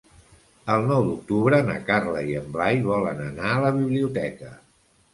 El nou d'octubre na Carla i en Blai volen anar a la biblioteca.